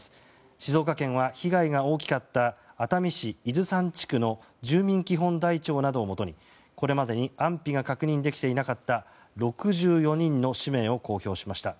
静岡県は被害が大きかった熱海市伊豆山地区の住民基本台帳などをもとにこれまでに安否が確認できていなかった６４人の氏名を公表しました。